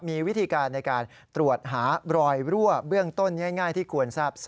มีวิธีการในการตรวจหารอยรั่วเบื้องต้นง่ายที่ควรทราบ